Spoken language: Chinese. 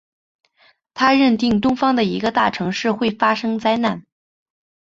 他认定东方一个大城市会发生灾难。